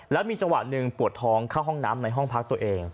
แล้วมีจังหวะหนึ่งปวดท้องเข้าห้องน้ำในห้องพักตัวเอง